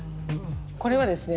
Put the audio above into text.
これはですね